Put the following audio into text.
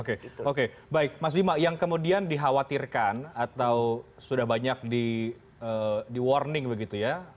oke oke baik mas bima yang kemudian dikhawatirkan atau sudah banyak di warning begitu ya